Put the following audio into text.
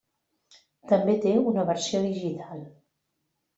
També té una versió digital.